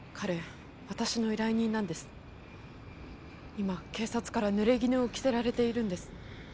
今警察からぬれぎぬを着せられているんです。